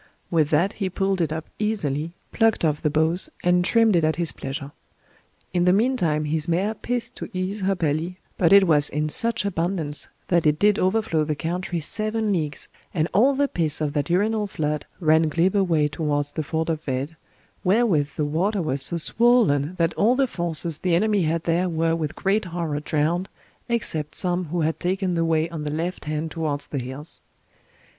With that he pulled it up easily, plucked off the boughs, and trimmed it at his pleasure. In the meantime his mare pissed to ease her belly, but it was in such abundance that it did overflow the country seven leagues, and all the piss of that urinal flood ran glib away towards the ford of Vede, wherewith the water was so swollen that all the forces the enemy had there were with great horror drowned, except some who had taken the way on the left hand towards the hills.